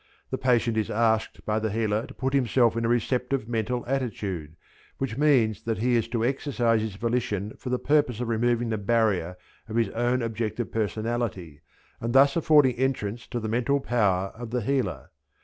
The patient is asked by the healer to put himself in a receptive mental attitude, which means that he is to exercise his volition for the purpose of removing the barrier of his own objective personality and thus affording entrance to the mental power of the healer.